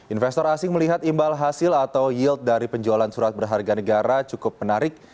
investor asing melihat imbal hasil atau yield dari penjualan surat berharga negara cukup menarik